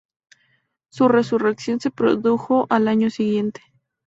Su resurrección se produjo al año siguiente.